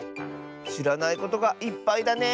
しらないことがいっぱいだね。